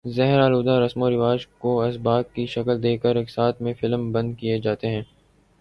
زہر آلودہ رسم و رواج کو اسباق کی شکل دے کر اقساط میں فلم بند کئے جاتے ہیں